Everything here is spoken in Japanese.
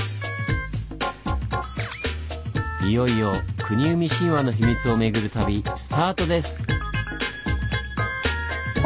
いよいよ国生み神話の秘密を巡る旅スタートです！